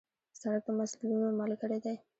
سړک د مزلونو ملګری دی.